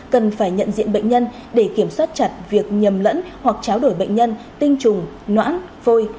cần phải nhận diện bệnh nhân để kiểm soát chặt việc nhầm lẫn hoặc cháo đổi bệnh nhân tinh trùng nỡ phôi